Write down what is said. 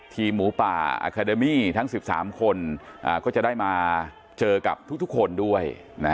หมูป่าอาคาเดมี่ทั้ง๑๓คนก็จะได้มาเจอกับทุกคนด้วย